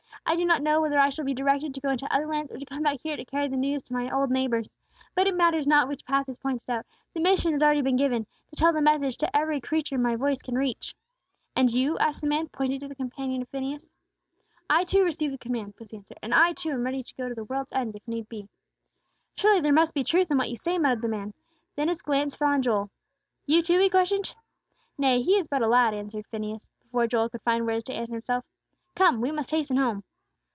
I do not know whether I shall be directed to go into other lands, or to come back here to carry the news to my old neighbors. But it matters not which path is pointed out, the mission has been already given, to tell the message to every creature my voice can reach." "And you?" asked the man, pointing to the companion of Phineas. "I, too, received the command," was the answer, "and I, too, am ready to go to the world's end, if need be!" "Surely there must be truth in what you say," muttered the man. Then his glance fell on Joel. "You, too?" he questioned. "Nay, he is but a lad," answered Phineas, before Joel could find words to answer him. "Come! we must hasten home."